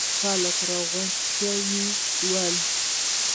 خلک راغونډ شوي ول.